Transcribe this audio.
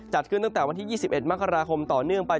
จัดขึ้นตั้งแต่วันที่๒๑มกราคมต่อเนื่องไป